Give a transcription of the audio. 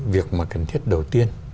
việc cần thiết đầu tiên